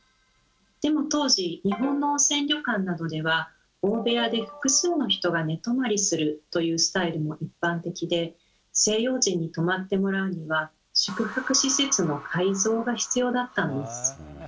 でも当時日本の温泉旅館などでは大部屋で複数の人が寝泊まりするというスタイルが一般的で西洋人に泊まってもらうには宿泊施設の改造が必要だったんです。